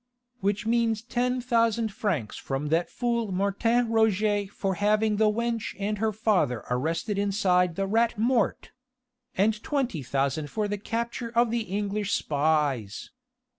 "Which means ten thousand francs from that fool Martin Roget for having the wench and her father arrested inside the Rat Mort! and twenty thousand for the capture of the English spies....